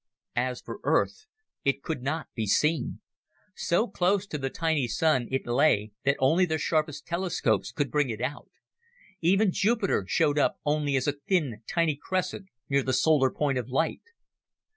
As for Earth, it could not be seen. So close to the tiny Sun it lay that only their sharpest telescopes could bring it out. Even Jupiter showed up only as a thin, tiny crescent near the solar point of light.